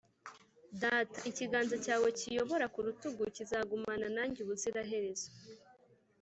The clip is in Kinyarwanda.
“data, ikiganza cyawe kiyobora ku rutugu kizagumana nanjye ubuziraherezo.”